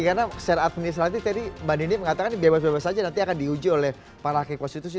karena secara administratif tadi mbak nini mengatakan ini bebas bebas saja nanti akan diuji oleh para kekonstitusi